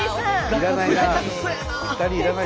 要らないな。